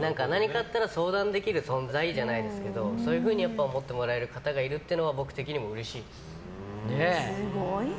何かあったら相談できる存在じゃないですけどそういうふうに思ってもらえる方がいるのはすごいな。